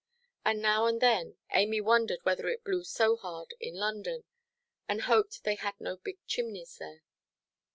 And now and then Amy wondered whether it blew so hard in London, and hoped they had no big chimneys there.